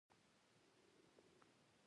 زه د ټولګیوالو سره زده کړه شریکوم.